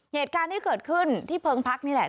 เหตุการณ์ที่เกิดขึ้นที่เพิงพักนี่แหละ